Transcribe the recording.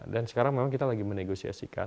dan sekarang memang kita lagi menegosiasikan